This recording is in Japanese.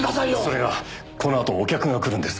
それがこのあとお客が来るんです。